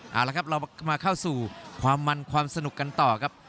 เอาละครับเรามาเข้าสู่ความมันความสนุกกันต่อครับ